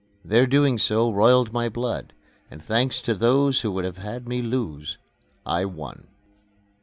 Their doing so roiled my blood, and thanks to those who would have had me lose, I won.